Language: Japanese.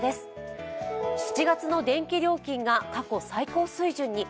７月の電気料金が過去最高水準に。